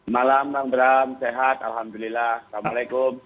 malam bang bram sehat alhamdulillah assalamualaikum